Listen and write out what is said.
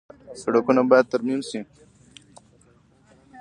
سړکونه باید ترمیم شي